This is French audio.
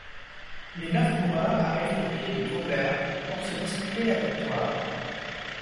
Les neuf coureurs arrivent au pied du Cauberg pour se disputer la victoire.